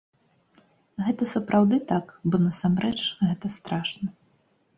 Гэта сапраўды так, бо насамрэч гэта страшна!